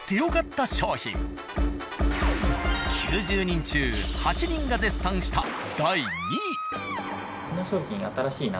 ９０人中８人が絶賛した第２位。